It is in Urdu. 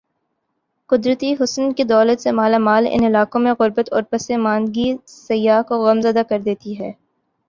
قدرتی حسن کی دولت سے مالا مال ان علاقوں میں غر بت اور پس ماندگی سیاح کو غم زدہ کر دیتی ہے ۔